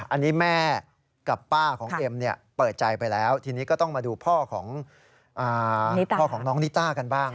อันนี้แม่กับป้าของเอ็มเปิดใจไปแล้วทีนี้ก็ต้องมาดูพ่อของพ่อของน้องนิต้ากันบ้าง